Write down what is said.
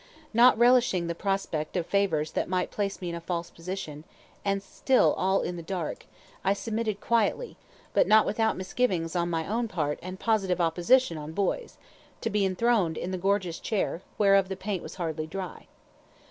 Not relishing the prospect of favors that might place me in a false position, and still all in the dark, I submitted quietly, but not without misgivings on my own part and positive opposition on Boy's, to be enthroned in the gorgeous chair, whereof the paint was hardly dry.